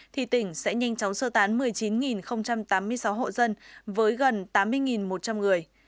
thì tỉnh sẽ nhanh chóng sơ tán một mươi chín tám mươi sáu hộ dân với gần tám mươi một trăm linh người